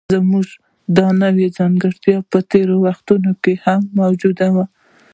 زموږ د نوعې ځانګړتیا په تېرو وختونو کې هم موجوده وه.